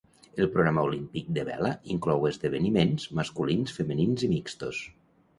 El programa olímpic de vela inclou esdeveniments masculins, femenins i mixtos.